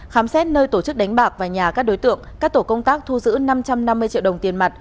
khám xét nơi tổ chức đánh bạc và nhà các đối tượng các tổ công tác thu giữ năm trăm năm mươi triệu đồng tiền mặt